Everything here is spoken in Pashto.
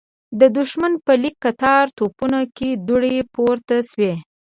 د دښمن په ليکه کتار توپونو کې دوړې پورته شوې.